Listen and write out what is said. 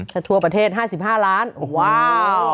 ถ้าทั่วประเทศ๕๕ล้านว้าว